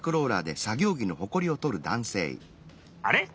あれ？